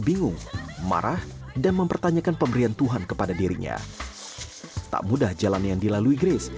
bingung marah dan mempertanyakan pemberian tuhan kepada dirinya tak mudah jalan yang dilalui grace